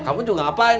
kamu juga ngapain